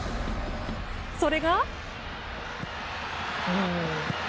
それが。